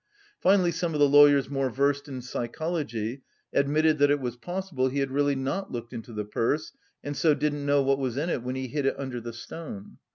Finally some of the lawyers more versed in psychology admitted that it was possible he had really not looked into the purse, and so didn't know what was in it when he hid it under the stone.